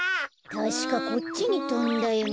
たしかこっちにとんだよな。